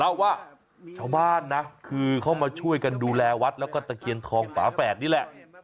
เล่าว่าชาวบ้านนะคือเขามาช่วยกันดูแลวัดแล้วก็ตะเคียนทองฝาแฝดนี่แหละ